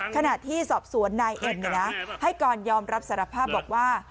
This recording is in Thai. ขณะที่สอบสวนนายเอ็มให้กรยอมรับสารภาพบอกว่า